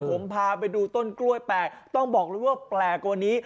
ผมพาไปดูต้นกล้วยแปลกต้องบอกเลยว่าแปลกกว่านี้